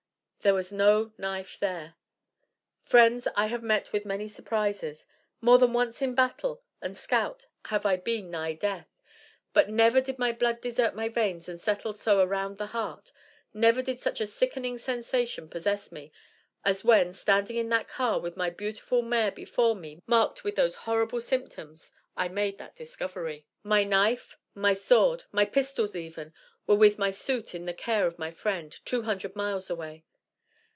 There was no knife there. Friends, I have met with many surprises. More than once in battle and scout have I been nigh death; but never did my blood desert my veins and settle so around the heart, never did such a sickening sensation possess me, as when, standing in that car with my beautiful mare before me marked with those horrible symptoms, I made that discovery. My knife, my sword, my pistols even, were with my suit in the care of my friend, two hundred miles away.